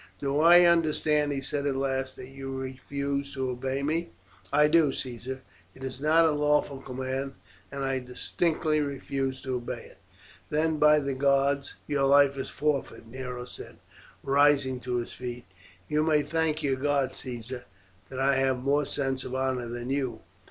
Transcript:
"Do I understand," he said at last, "that you refuse to obey me?" "I do, Caesar. It is not a lawful command, and I distinctly refuse to obey it." "Then, by the gods, your life is forfeit!" Nero said, rising to his feet. "You may thank your gods, Caesar, that I have more sense of honour than you.